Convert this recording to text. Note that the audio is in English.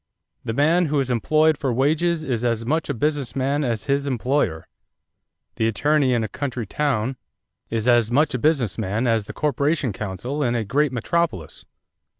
"The man who is employed for wages is as much a business man as his employer. The attorney in a country town is as much a business man as the corporation counsel in a great metropolis.